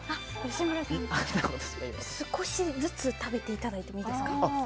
吉村さん、少しずつ食べていただいていいですか。